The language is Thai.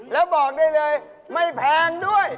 แล้วบอกได้เลยไม่แพงด้วย